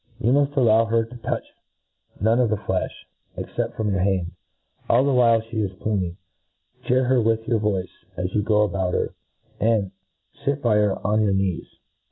You muft al low her to touch none of the flefh, except from your hand. All the while fee is pluming, chear her with your voice as you go about her, and fit by her on your knees.